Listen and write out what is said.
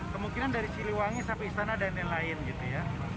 kemungkinan dari siliwangi sampai istana dan lain lain